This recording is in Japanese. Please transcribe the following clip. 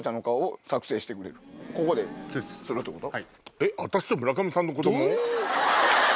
えっ？